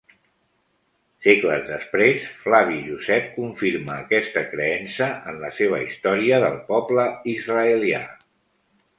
Segles després, Flavi Josep confirma aquesta creença en la seva història del poble israelià.